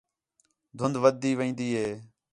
دُھند ودھدی وین٘دی ہِے